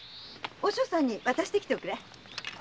和尚さんに渡してきておくれ。